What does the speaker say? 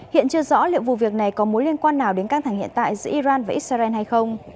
hiện chưa rõ liệu vụ việc này có mối liên quan nào đến căng thẳng hiện tại giữa iran và israel hay không